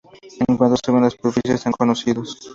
En cuanto suben a la superficie, están cocidos.